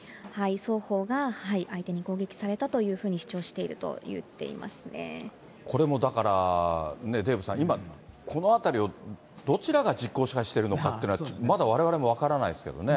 双方が相手に攻撃されたというふうに主張しているといっていこれもだからデーブさん、今、この辺りを、どちらが実効支配しているのかっていうのは、まだわれわれも分からないですけどね。